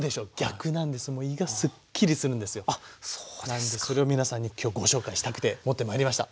なんでそれを皆さんに今日ご紹介したくて持ってまいりました。